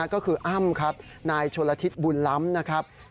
ก็คืออ้ำครับนายชนละทิศบุญล้ำนะครับ